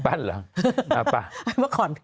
เวลายังไม่หมด